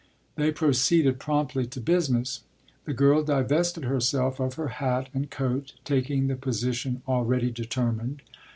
They proceeded promptly to business. The girl divested herself of her hat and coat, taking the position already determined.